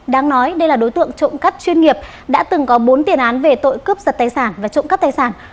đáng nói đây là đối tượng trộm cắt chuyên nghiệp đã từng có bốn tiền án về tội cướp sật tài sản và trộm cắt tài sản